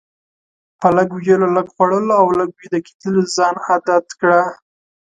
په لږ ویلو، لږ خوړلو او لږ ویده کیدلو ځان عادت کړه.